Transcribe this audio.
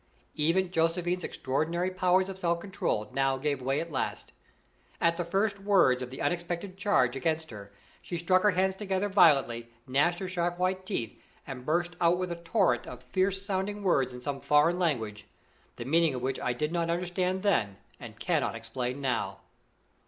Even Josephine's extraordinary powers of self control now gave way at last. At the first words of the unexpected charge against her she struck her hands together violently, gnashed her sharp white teeth, and burst out with a torrent of fierce sounding words in some foreign language, the meaning of which I did not understand then and cannot explain now.